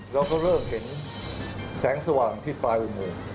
เราก็เริ่มเห็นแสงสว่างที่ปลายอุโมง